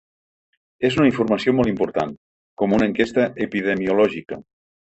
És una informació molt important, com una enquesta epidemiològica.